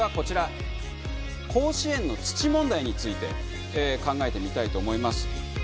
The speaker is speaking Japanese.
甲子園の土問題について考えてみたいと思います。